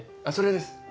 あっそれです。